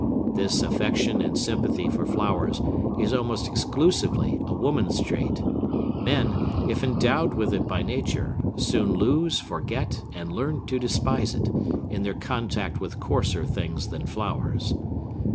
This affection and sympathy for flowers is almost exclusively a woman's trait. Men, if endowed with it by nature, soon lose, forget, and learn to despise it, in their contact with coarser things than flowers.